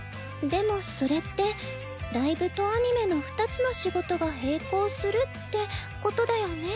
でもそれってライブとアニメの二つの仕事が並行するってことだよね？